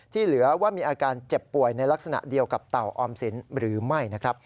เหลือว่ามีอาการเจ็บป่วยในลักษณะเดียวกับเต่าออมสินหรือไม่นะครับ